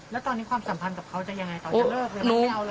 แล้วตอนนี้ความสัมพันธ์กับเขาจะยังไงต่อจะเลิกเลยมันไม่เอาเลย